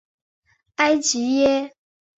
埃吉耶。